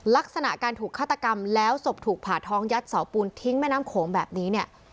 ลักษณะการถูกฆาตกรรมแล้วศพถูกผ่าท้องยัดเสาปูนทิ้งแม่น้ำโขงแบบนี้เนี่ย